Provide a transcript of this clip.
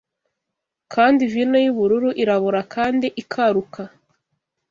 Kandi vino yubururu irabora kandi ikaruka